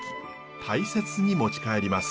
大切に持ち帰ります。